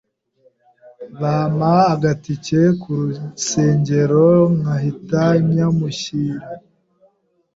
bampa agatike ku rusengero nkahita nyamushyira